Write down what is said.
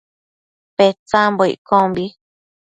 Petsambo iccombi